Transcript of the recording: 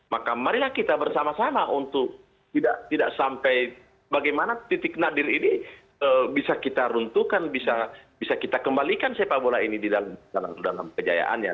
maka marilah kita bersama sama untuk tidak sampai bagaimana titik nadir ini bisa kita runtuhkan bisa kita kembalikan sepak bola ini dalam kejayaannya